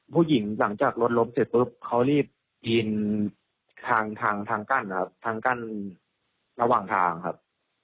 หลังจากรถล้มเสร็จปุ๊บเขารีบยิงทางทางกั้นนะครับทางกั้นระหว่างทางครับ